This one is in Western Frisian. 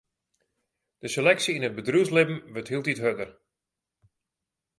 De seleksje yn it bedriuwslibben wurdt hieltyd hurder.